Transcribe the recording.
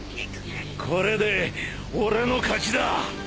これで俺の勝ちだ。